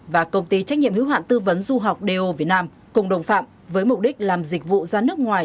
và công ty trách nhiệm hữu hạn tư vấn du học do việt nam cùng đồng phạm với mục đích làm dịch vụ ra nước ngoài